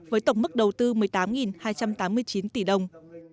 với tổng mức đầu tư một mươi tám hai trăm tám mươi chín tỷ đồng